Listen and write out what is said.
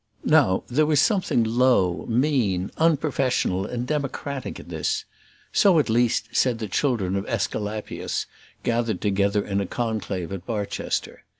Now there was something low, mean, unprofessional, and democratic in this; so, at least, said the children of Æsculapius gathered together in conclave at Barchester.